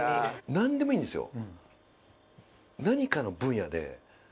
何でもいいんですよ。